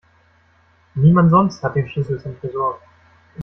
Niemand sonst hat den Schlüssel zum Tresor.